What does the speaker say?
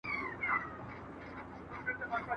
همدا سبب دی چې سینګار مې سر ته نه رسیږي